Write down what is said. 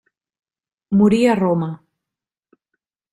Morí a Roma.